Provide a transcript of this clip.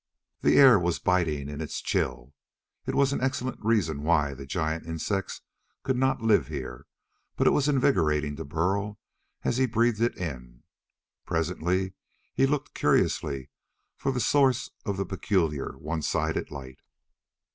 The air was biting in its chill. It was an excellent reason why the giant insects could not live here, but it was invigorating to Burl as he breathed it in. Presently he looked curiously for the source of the peculiar one sided light.